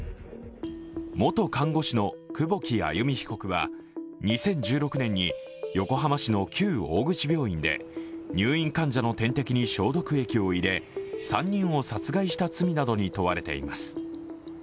元看護師の久保木愛弓被告は２０１６年に横浜市の旧大口病院で入院患者の点滴に消毒液を入れ３人を殺害した罪などに問われています。